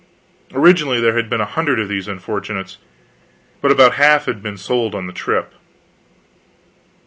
Originally there had been a hundred of these unfortunates, but about half had been sold on the trip.